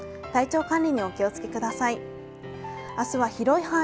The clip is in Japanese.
体調管理にお気をつけください。